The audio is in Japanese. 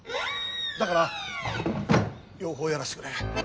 だから養蜂やらせてくれ。